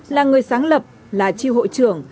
là người sáng lập là chi hội trưởng